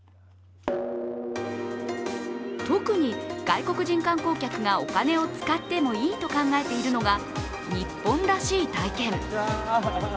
特に外国人観光客がお金を使ってもいいと考えているのが日本らしい体験。